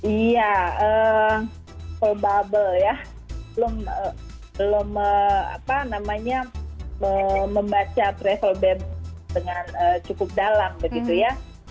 iya pro bubble ya belum membaca travel bed dengan cukup dalam begitu ya